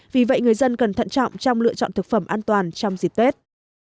vì vậy người dân cần thận trọng trong lựa chọn thực phẩm an toàn trong dịp tết